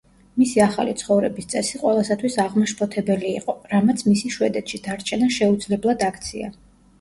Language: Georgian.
მისი ახალი ცხოვრების წესი ყველასათვის აღმაშფოთებელი იყო, რამაც მისი შვედეთში დარჩენა შეუძლებლად აქცია.